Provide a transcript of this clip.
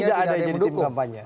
tidak ada jadi tim kampanye